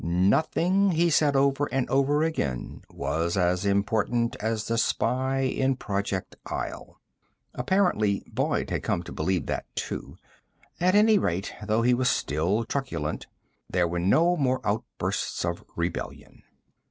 Nothing, he said over and over again, was as important as the spy in Project Isle. Apparently Boyd had come to believe that, too. At any rate, though he was still truculent, there were no more outbursts of rebellion.